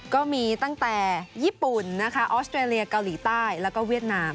ก็มีตั้งแต่ญี่ปุ่นนะคะออสเตรเลียเกาหลีใต้แล้วก็เวียดนาม